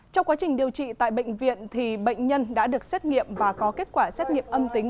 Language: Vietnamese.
trong quá trình điều trị tại bệnh viện thì bệnh nhân đã được xét nghiệm và có kết quả xét nghiệm âm tính